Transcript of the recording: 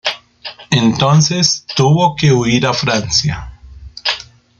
Entonces tuvo que huir a Francia.